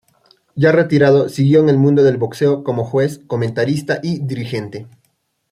Ya retirado siguió en el mundo del boxeo como juez, comentarista y dirigente.